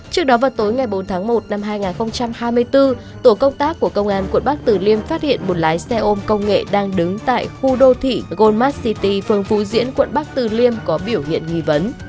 trước đó vào tối ngày bốn tháng một năm hai nghìn hai mươi bốn tổ công tác của công an quận bắc từ liêm phát hiện một lái xe ôm công nghệ đang đứng tại khu đô thị goldmart city phường phú diễn quận bắc từ liêm có biểu hiện nghi vấn